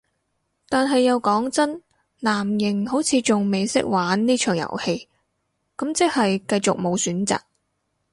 但係又講真，藍營好似仲未識玩呢場遊戲，咁即係繼續無選擇